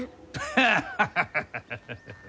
ハハハハハ。